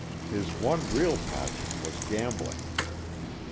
His one real passion was gambling.